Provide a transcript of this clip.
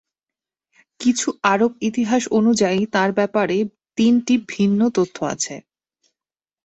কিছু আরব ইতিহাস অনুযায়ী তাঁর ব্যাপারে তিনটি ভিন্ন তথ্য আছে।